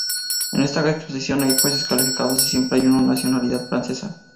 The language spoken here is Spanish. En esta exposición hay jueces calificados y siempre hay uno de nacionalidad francesa.